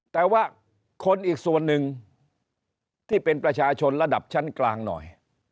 แต่ว่าคนอีกส่วนหนึ่งที่เป็นประชาชนระดับชั้นกลางหน่อย